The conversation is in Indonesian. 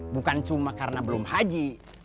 bukan cuma karena belum haji